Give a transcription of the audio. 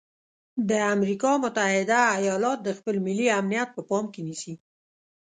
د امریکا متحده ایالات د خپل ملي امنیت په پام کې نیسي.